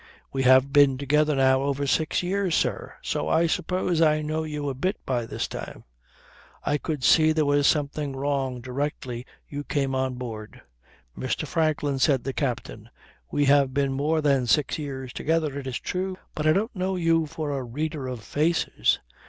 "We have been together now over six years, sir, so I suppose I know you a bit by this time. I could see there was something wrong directly you came on board." "Mr. Franklin," said the captain, "we have been more than six years together, it is true, but I didn't know you for a reader of faces.